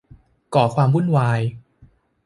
ก่อความวุ่นวาย